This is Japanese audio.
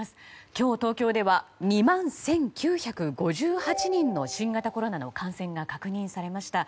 今日、東京では２万１９５８人の新型コロナの感染が確認されました。